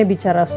ting diskusi anji